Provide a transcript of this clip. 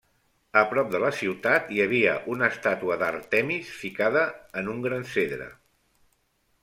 A prop de la ciutat hi havia una estàtua d'Àrtemis ficada en un gran cedre.